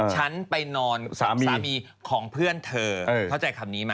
ฉันไปนอนสามีของเพื่อนเธอเข้าใจคำนี้มา